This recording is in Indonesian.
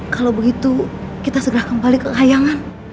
kalo begitu kita segera kembali ke kayangan